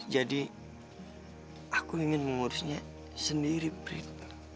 jadi aku ingin mengurusnya sendiri prit